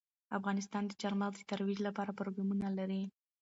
افغانستان د چار مغز د ترویج لپاره پروګرامونه لري.